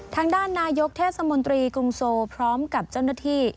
ทางด้านนายกเทศมนตรีกรุงโซพร้อมกับเจ้าหน้าที่